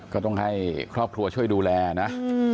ก็ต้องให้ครอบครัวช่วยดูแลนะ